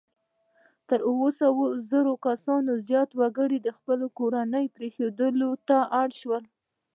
تر اووه سوه زره کسانو زیات وګړي د خپلو کورنیو پرېښودلو ته اړ شول.